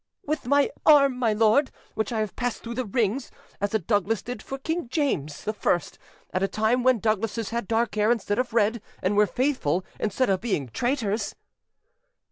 "With my arm, my lord, which I have passed through the rings, as a Douglas did for King James I, at a time when Douglases had dark hair instead of red, and were faithful instead of being traitors."